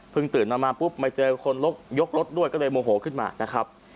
เพิ่งตื่นนอนมาปุ๊บไม่เจอคนลกยกรถด้วยก็เลยโมโหขึ้นมานะครับ